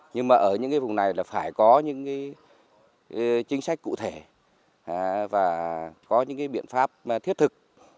nhưng mà ở những vùng này là phải có những chính sách cụ thể và có những cái biện pháp thiết thực